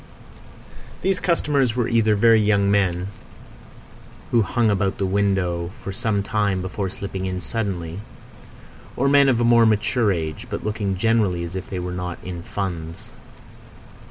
These customers were either very young men, who hung about the window for a time before slipping in suddenly; or men of a more mature age, but looking generally as if they were not in funds.